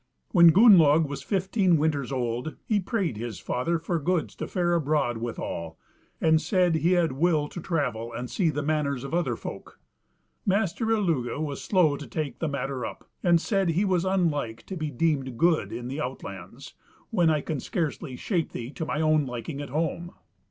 When Gunnlaug was fifteen winters old he prayed his father for goods to fare abroad withal, and said he had will to travel and see the manners of other folk. Master Illugi was slow to take the matter up, and said he was unlike to be deemed good in the out lands "when I can scarcely shape thee to my own liking at home."